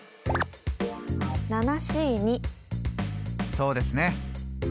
そうですね。